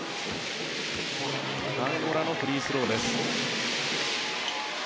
アンゴラのフリースローです。